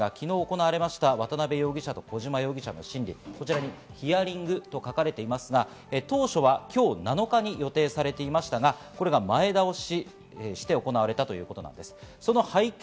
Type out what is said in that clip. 昨日行われた渡辺容疑者と小島容疑者の審理、ヒアリングと書かれていますが、当初は今日７日に予定されていましたが、前倒しして行われたということです。